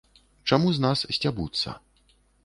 Чаму з нас сцябуцца.